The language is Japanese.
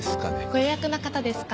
ご予約の方ですか？